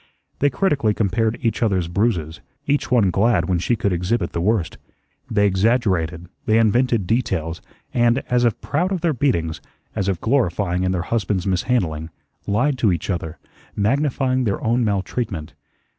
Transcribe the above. They critically compared each other's bruises, each one glad when she could exhibit the worst. They exaggerated, they invented details, and, as if proud of their beatings, as if glorying in their husbands' mishandling, lied to each other, magnifying their own maltreatment.